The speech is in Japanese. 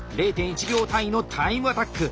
０．１秒単位のタイムアタック。